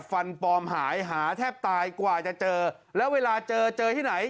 ฟันปลอมหายหาแทบตายกว่าจะเจอแล้วเวลาเจอเจอที่ไหน